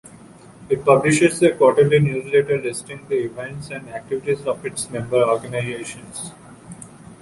It publishes a quarterly newsletter listing the events and activities of its member organisations.